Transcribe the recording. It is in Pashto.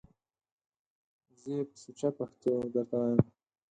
زه یې په سوچه پښتو درته وایم!